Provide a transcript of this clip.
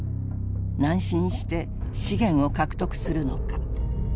南進して資源を獲得するのか。